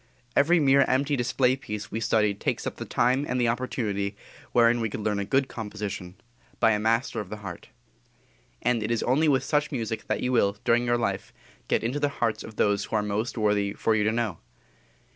Every mere empty display piece we study takes up the time and the opportunity wherein we could learn a good composition, by a master of the heart. And it is only with such music that you will, during your life, get into the hearts of those who are most worthy for you to know.